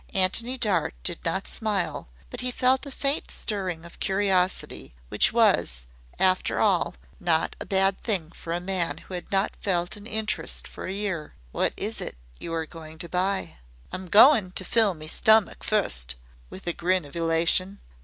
Antony Dart did not smile, but he felt a faint stirring of curiosity, which was, after all, not a bad thing for a man who had not felt an interest for a year. "What is it you are going to buy?" "I'm goin' to fill me stummick fust," with a grin of elation.